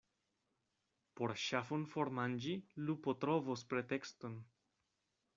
Por ŝafon formanĝi, lupo trovos pretekston.